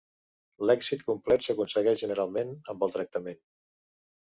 L'èxit complet s'aconsegueix generalment amb el tractament.